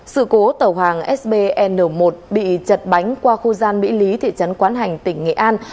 sự cố tàu hàng sbn một bị chật bánh qua khu gian mỹ lý thị trấn quán hành tỉnh nghệ an